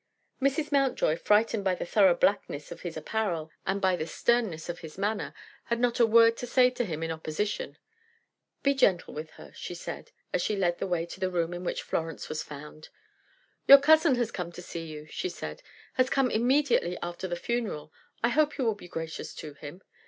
Mrs. Mountjoy, frightened by the thorough blackness of his apparel and by the sternness of his manner, had not a word to say to him in opposition. "Be gentle with her," she said, as she led the way to the room in which Florence was found. "Your cousin has come to see you," she said; "has come immediately after the funeral. I hope you will be gracious to him."